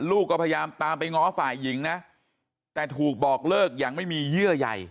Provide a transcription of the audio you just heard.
ลูกก็พยายามตามไปง้อฝ่ายหญิงนะแต่ถูกบอกเลิกอย่างไม่มีเยื่อใหญ่